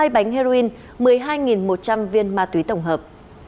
hai bánh heroin một mươi hai một trăm linh viên ma túy tổng hợp